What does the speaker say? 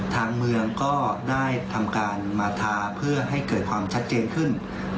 ทางเมืองก็ได้ทำการมาทาเพื่อให้เกิดความชัดเจนขึ้น